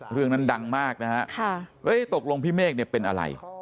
เรื่องนั้นดังมากนะครับตกลงพี่เมฆเป็นอะไร